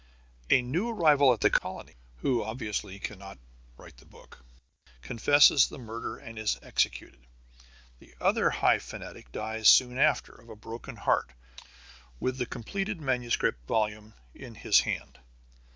A new arrival in the colony, who obviously cannot write the book, confesses the murder and is executed. The other high fanatic dies soon after, of a broken heart, with the completed manuscript volume in his hand.